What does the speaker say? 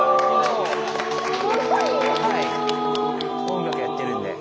音楽やってるんで。